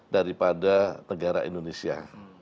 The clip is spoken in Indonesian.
daripada negara indonesia